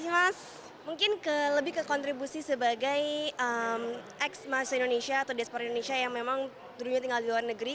mas mungkin lebih ke kontribusi sebagai ex mahasiswa indonesia atau diaspora indonesia yang memang dulunya tinggal di luar negeri